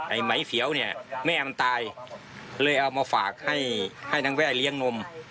ไหมเฟี้ยวเนี่ยแม่มันตายเลยเอามาฝากให้ให้นางแว่เลี้ยงนม